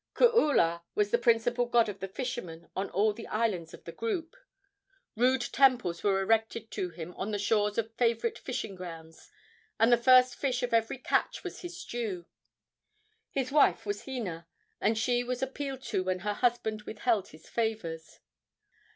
Kuula was the principal god of the fishermen on all the islands of the group. Rude temples were erected to him on the shores of favorite fishing grounds, and the first fish of every catch was his due. His wife was Hina, and she was appealed to when her husband withheld his favors.